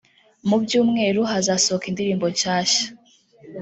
mu byumweru hazasohoka indirimbo nshyashyaˮ